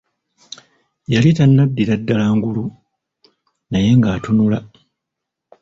Yali tannaddira ddala ngulu, naye nga atunula.